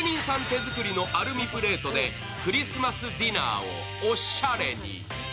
手づくりのアルミプレートでクリスマスディナーをおしゃれに。